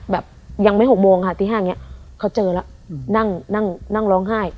แบบยังไม่หกโมงค่ะที่ห้าเงี้ยเขาเจอแล้วนั่งนั่งนั่งร้องไห้